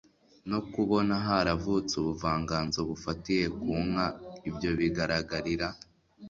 no kubona haravutse ubuvanganzo bufatiye ku nka. Ibyo bigaragarira